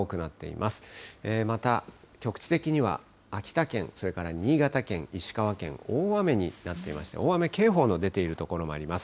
また、局地的には秋田県、それから新潟県、石川県、大雨になっていまして、大雨警報の出ている所もあります。